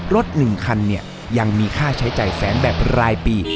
รถหนึ่งคันเนี่ยยังมีค่าใช้จ่ายแสนแบบรายปี